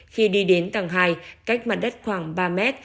khi đi đến tầng hai cách mặt đất khoảng ba mét